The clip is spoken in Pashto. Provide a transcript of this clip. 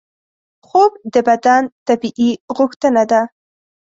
خوب د بدن طبیعي غوښتنه ده